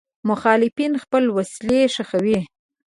مخالفین خپل وسلې ښخوي.